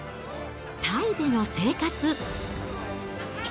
タイでの生活。